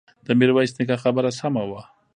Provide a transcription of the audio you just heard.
د ميرويس نيکه خبره سمه وه.